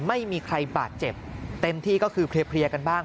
ไม่มีใครบาดเจ็บเต็มที่ก็คือเพลียกันบ้าง